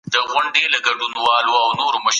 ليکنيزې بڼې لوستونکي نه ستړي کوي.